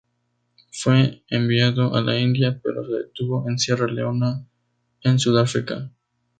Fue enviado a la India, pero se detuvo en Sierra Leona y en Sudáfrica.